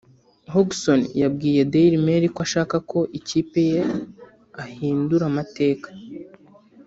Hogson yabwiye Dailymail ko ashaka ko ikipe ye ahindura amateka